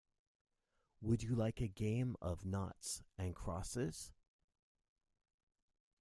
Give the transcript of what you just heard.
Would you like a game of noughts and crosses?